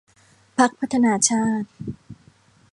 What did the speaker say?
พรรคพัฒนาชาติ